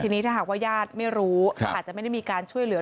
ทีนี้ถ้าหากว่าญาติไม่รู้อาจจะไม่ได้มีการช่วยเหลือ